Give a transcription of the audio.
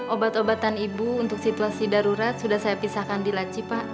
obat obatan ibu untuk situasi darurat sudah saya pisahkan di laci pak